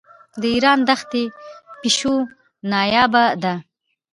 د ایران دښتي پیشو نایابه ده.